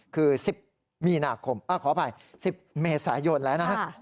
คือ๑๐เมษายนแล้วนะฮะ